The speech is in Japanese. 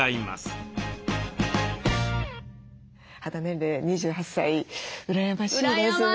肌年齢２８歳羨ましいですね。